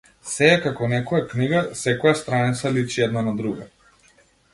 Сѐ е како некоја книга, секоја страница личи една на друга.